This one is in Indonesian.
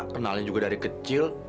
kenalnya juga dari kecil